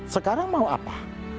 sekarang mau apa